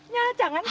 ya jangan ya pak